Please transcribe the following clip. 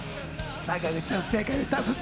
坂口さん、不正解でした。